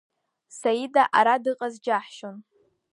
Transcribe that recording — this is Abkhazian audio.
Саида ара дыҟаз џьаҳшьон.